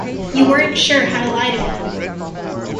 You weren't sure how to lie to me.